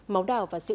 máu đảo và sự hiểu